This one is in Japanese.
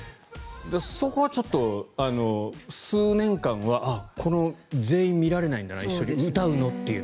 そこはちょっと、数年間はあ、全員見られないんだな一緒に歌うの、という。